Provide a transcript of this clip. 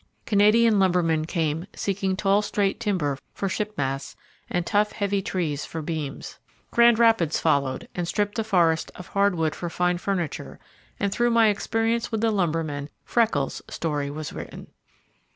Canadian lumbermen came seeking tall straight timber for ship masts and tough heavy trees for beams. Grand Rapids followed and stripped the forest of hard wood for fine furniture, and through my experience with the lumber men "Freckles"' story was written.